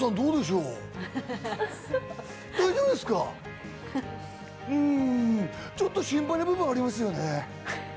うん、ちょっと心配な部分はありますよね。